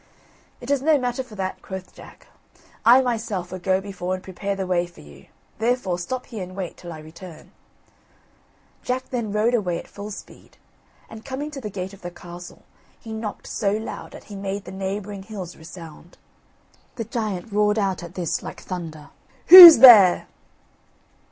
"It is no matter for that," quoth Jack; "I myself will go before and prepare the way for you; therefore stop here and wait till I return." Jack then rode away at full speed, and coming to the gate of the castle, he knocked so loud that he made the neighbouring hills resound. The giant roared out at this like thunder: "Who's there?"